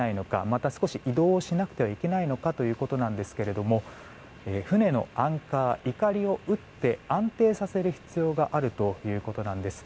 また、少し移動をしなくてはいけないのかというところですが船のアンカー、碇を打って安定させる必要があるということです。